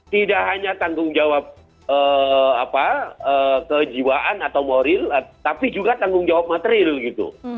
tidak hanya tanggung jawab kejiwaan atau moral tapi juga tanggung jawab materil gitu